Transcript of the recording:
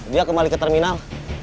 dia kembali ke terminal